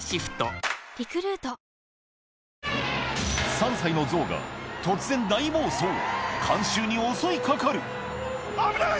３歳のゾウが突然観衆に襲い掛かる危ない！